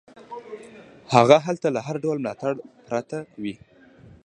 هغه هلته له هر ډول ملاتړ پرته وي.